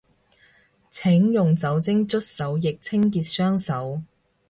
請用酒精搓手液清潔雙手